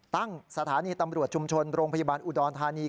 สถานีตำรวจชุมชนโรงพยาบาลอุดรธานี